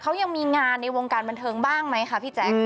เขายังมีงานในวงการบันเทิงบ้างไหมคะพี่แจ๊ค